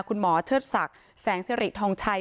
คุณหมอเชิดศักดิ์แสงสิริทองชัย